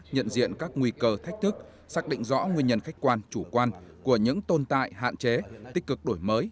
nhận diện các nguy cơ thách thức xác định rõ nguyên nhân khách quan chủ quan của những tồn tại hạn chế tích cực đổi mới